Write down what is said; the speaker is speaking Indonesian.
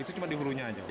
itu cuma di hulunya aja